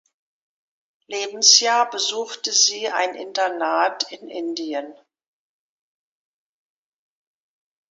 Lebensjahr besuchte sie ein Internat in Indien.